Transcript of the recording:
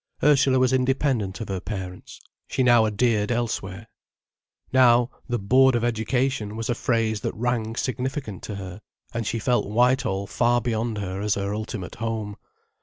Ursula was independent of her parents. She now adhered elsewhere. Now, the 'Board of Education' was a phrase that rang significant to her, and she felt Whitehall far beyond her as her ultimate home.